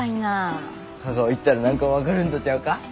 香川行ったら何か分かるんとちゃうか？